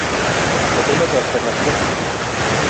Modelo de Alternativas múltiples.